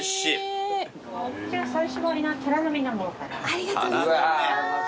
ありがとうございます。